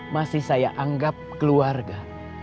masih saya anggap keluarga